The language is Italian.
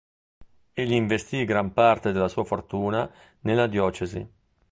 Egli investì gran parte della sua fortuna nella diocesi.